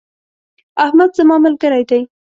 احمد زما ملګری دی.